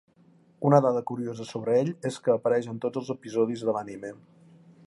Una dada curiosa sobre ell és que apareix en tots els episodis de l’anime.